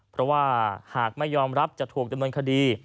เพราะว่าหากไม่ยอมรับจะถูกดำเนินคดี